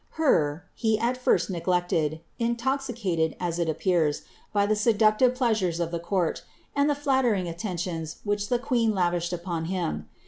Her, he at first neglected, intoxicated, as it appears, by the seductive pleasures of the court, and the Haltering aiteniions which ihe queen lavished upon him.